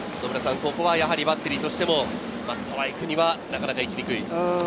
ここはバッテリーとしてもストライクにはなかなか行きにくい。